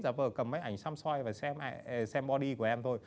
giả vờ cầm máy ảnh xăm xoay và xem body của em thôi